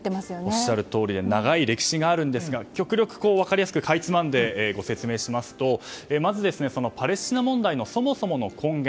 おっしゃるとおりで長い歴史があるんですが極力分かりやすくかいつまんでご説明しますとまずパレスチナ問題のそもそもの根源